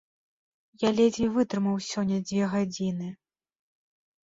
Я ледзьве вытрымаў сёння дзве гадзіны.